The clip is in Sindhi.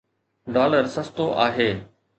ڊالر سستو آهي.